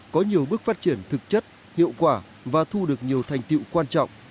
có nhiều bước phát triển thực chất hiệu quả và thu được nhiều thành tiệu quan trọng